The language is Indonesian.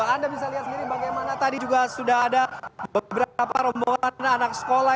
anda bisa lihat sendiri bagaimana tadi juga sudah ada beberapa rombongan anak sekolah